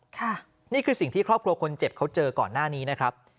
ค่ะนี่คือสิ่งที่ครอบครัวคนเจ็บเขาเจอก่อนหน้านี้นะครับ